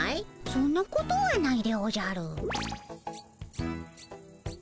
そんなことはないでおじゃる。